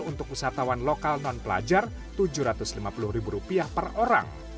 untuk wisatawan lokal non pelajar rp tujuh ratus lima puluh per orang